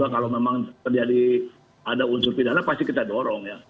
kalau memang terjadi ada unsur pidana pasti kita dorong ya